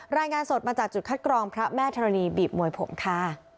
รายงานสดมาจากจุดคัดกรองพระแม่ธรณีบีบมวยผมค่ะ